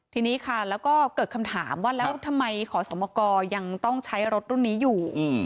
ทีนี้ค่ะแล้วก็เกิดคำถามว่าแล้วทำไมขอสมกรยังต้องใช้รถรุ่นนี้อยู่